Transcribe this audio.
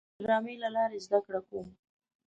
زه د ډرامې له لارې زده کړه کوم.